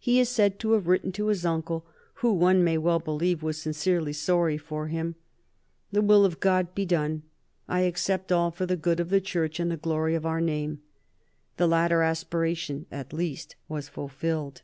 He is said to have written to his uncle, who, one may well believe, was sincerely sorry for him :" The will of God be done : I accept all, for the good of the Church and the glory of our name." The latter aspiration, at least, was fulfilled.